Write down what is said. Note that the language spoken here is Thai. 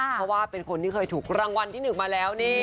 เพราะว่าเป็นคนที่เคยถูกรางวัลที่๑มาแล้วนี่